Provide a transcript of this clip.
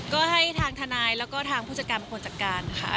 ก็ให้ทางทนายแล้วก็ทางผู้จัดการเป็นคนจัดการค่ะ